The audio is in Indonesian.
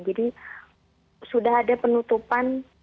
jadi sudah ada penutupan